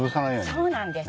そうなんです。